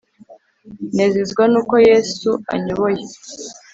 Nezezwa nuko yesu anyoboye